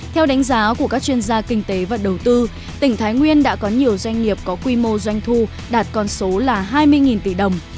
theo đánh giá của các chuyên gia kinh tế và đầu tư tỉnh thái nguyên đã có nhiều doanh nghiệp có quy mô doanh thu đạt con số là hai mươi tỷ đồng